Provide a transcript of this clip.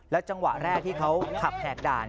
จังหวะแรกที่เขาขับแหกด่าน